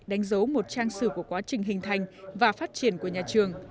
đánh dấu một trang sử của quá trình hình thành và phát triển của nhà trường